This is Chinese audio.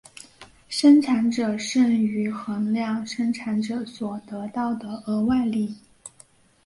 生产者剩余衡量生产者所得到的额外利益。